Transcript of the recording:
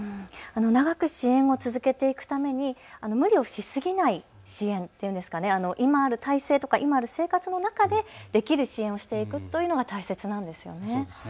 長く支援を続けていくために無理をしすぎない支援、今ある体制とか、今ある生活の中でできる支援をしていくというのが大切なんですね。